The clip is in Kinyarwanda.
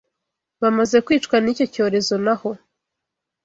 bamaze kwicwa n’icyo cyorezo naho